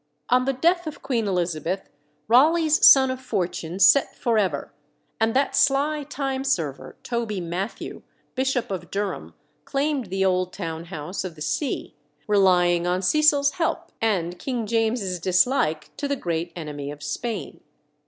On the death of Queen Elizabeth Raleigh's sun of fortune set for ever, and that sly time server Toby Matthew, Bishop of Durham, claimed the old town house of the see, relying on Cecil's help and King James's dislike to the great enemy of Spain.